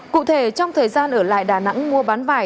cụ thể trong thời gian ở lại đà nẵng mua bán vải